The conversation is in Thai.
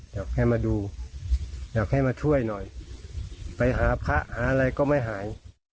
อยากให้มาดูอยากให้มาช่วยหน่อยไปหาพระหาอะไรก็ไม่หาย